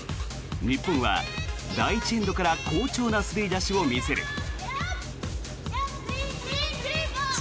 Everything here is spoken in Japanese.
日本は第１エンドから好調な滑り出しを見せる。